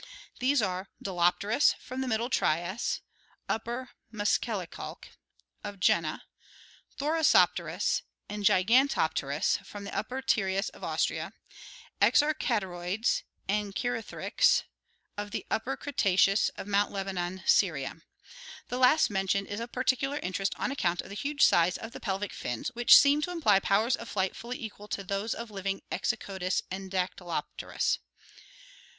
These are: Dollopterus from the Middle Trias (Upper Muschelkalk) of Jena, Thoraeopterus and Gigantopterus from the Upper Trias of Austria, Exocosloides and Chirothrix (Fig. 82) of the Upper Cre taceous of Mt. Lebanon, Syria. The last mentioned is of par ticular interest on account of the huge size of the pelvic fins, which seem to imply powers of flight fully equal to those of the living Exoccdus and Dadyloplenis.